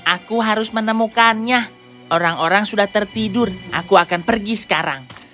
aku harus menemukannya orang orang sudah tertidur aku akan pergi sekarang